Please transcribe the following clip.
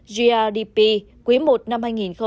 grdp quý một năm hai nghìn hai mươi hai